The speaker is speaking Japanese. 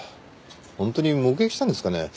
本当に目撃したんですかね？